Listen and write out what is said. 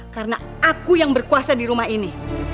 karena aku yang berkuasa di rumah ini